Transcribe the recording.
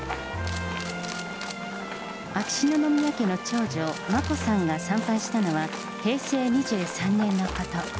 秋篠宮家の長女、眞子さんが参拝したのは、平成２３年のこと。